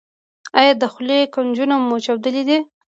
ایا د خولې کنجونه مو چاودلي دي؟